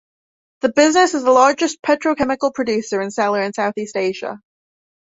The business is the largest petrochemical producer and seller in South East Asia.